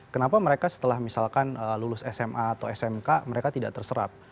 kenapa mereka setelah misalkan lulus sma atau smk mereka tidak terserap